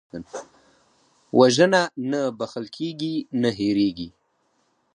وژنه نه بښل کېږي، نه هېرېږي